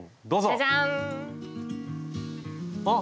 じゃじゃん！あっ！